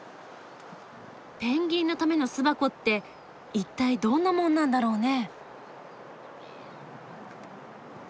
ペンギンのための巣箱って一体どんなもんなんだろうね？